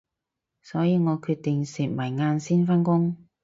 所以我決定食埋晏先返工